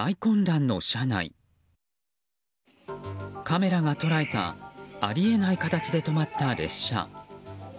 カメラが捉えたあり得ない形で止まった列車。